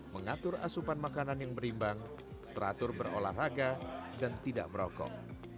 mengatur asupan makanan yang berimbang teratur berolahraga dan tidak merokok